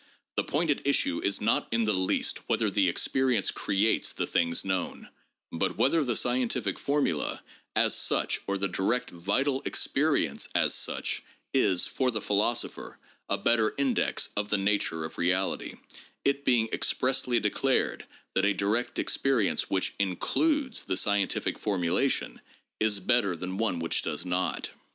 '' The point at issue is not in the least whether the ex perience creates the things known, but whether the scientific formula as such or the direct, vital experience as such is, for the philosopher, a better index of the nature of reality, it being expressly declared that a direct experience which includes the scientific formulation is better than one which does not.